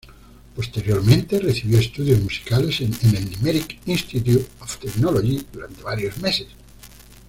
Posteriormente, recibió estudios musicales en el Limerick Institute of Technology durante varios meses.